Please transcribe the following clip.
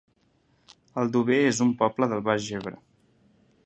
Aldover es un poble del Baix Ebre